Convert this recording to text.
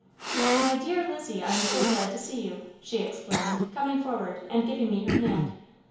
"My dear Lizzie, I am so glad to see you," she exclaimed, coming forward and giving me her hand.